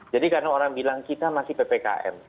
jadi karena orang bilang kita masih ppkm